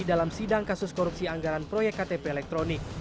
dalam sidang kasus korupsi anggaran proyek ktp elektronik